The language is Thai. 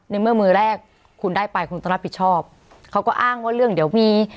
ในเมื่อมือแรกคุณได้ไปคุณต้องรับผิดชอบเขาก็อ้างว่าเรื่องเดี๋ยวมี